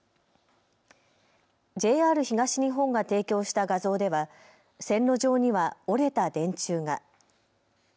ＪＲ東日本が提供した画像では線路上には折れた電柱が。